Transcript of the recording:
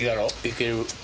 いける。